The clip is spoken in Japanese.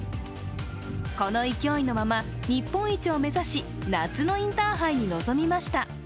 この勢いのまま、日本一を目指し夏のインターハイに臨みました。